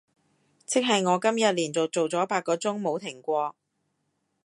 即係我今日連續做咗八個鐘冇停過